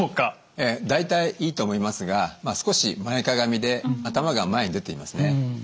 ええ大体いいと思いますが少し前かがみで頭が前に出ていますね。